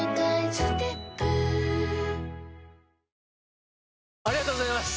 さらに、ありがとうございます！